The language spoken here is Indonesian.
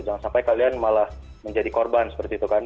jangan sampai kalian malah menjadi korban seperti itu kan